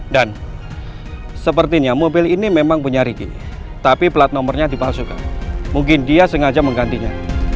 dan sepertinya mobil ini memang penyarik tapi plat nomornya dipasukan mungkin dia sengaja menggantinya